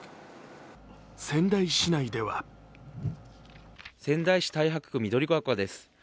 仙台市内では仙台市太白区緑ケ丘です。